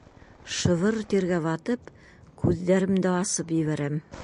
Шыбыр тиргә батып, күҙҙәремде асып ебәрәм.